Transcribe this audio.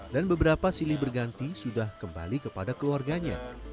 dan beberapa silih berganti sudah kembali kepada keluarganya